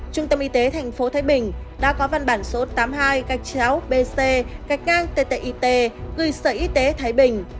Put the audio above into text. trung tâm y tế tp thái bình đã có văn bản số tám mươi hai bc ttit gy sở y tế thái bình